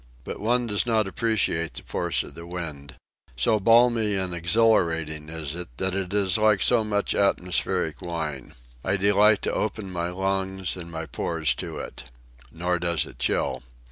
But one does not appreciate the force of the wind. So balmy and exhilarating is it that it is so much atmospheric wine. I delight to open my lungs and my pores to it. Nor does it chill.